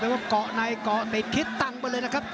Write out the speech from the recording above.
แต่ว่าก่อในก่อติดคิดตังไปเลยนะครับ